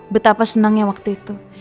betapa senangnya waktu itu